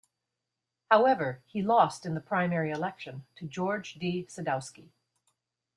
However, he lost in the primary election to George G. Sadowski.